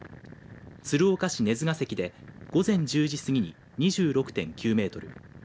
鶴岡市鼠ヶ関で午前１０時過ぎに２６．９メートル